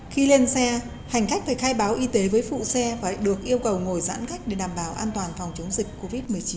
khi lên xe hành khách phải khai báo y tế với phụ xe và được yêu cầu ngồi giãn cách để đảm bảo an toàn phòng chống dịch covid một mươi chín